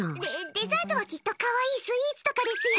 デザートはきっと可愛いスイーツとかですよ！